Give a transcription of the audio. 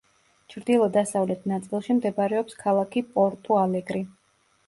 ჩრდილო-დასავლეთ ნაწილში მდებარეობს ქალაქი პორტუ-ალეგრი.